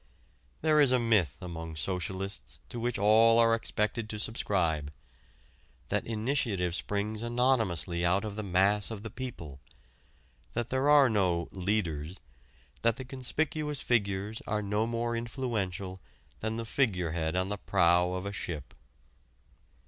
There is a myth among socialists to which all are expected to subscribe, that initiative springs anonymously out of the mass of the people, that there are no "leaders," that the conspicuous figures are no more influential than the figurehead on the prow of a ship.